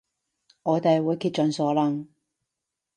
我哋會竭盡所能